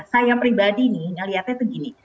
saya pribadi nih ngelihatnya tuh gini